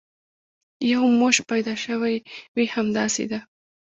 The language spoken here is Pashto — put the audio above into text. یو موش پیدا شوی وي، همداسې ده.